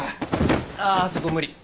ああそこ無理。